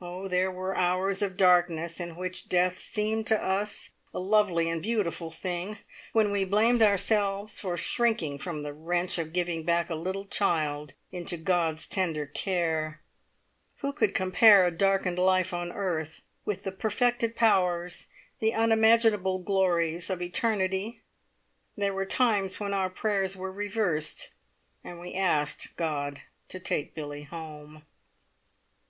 Oh, there were hours of darkness in which death seemed to us a lovely and beautiful thing, when we blamed ourselves for shrinking from the wrench of giving back a little child into God's tender care. Who could compare a darkened life on earth with the perfected powers, the unimaginable glories of eternity? There were times when our prayers were reversed, and we asked God to take Billie home!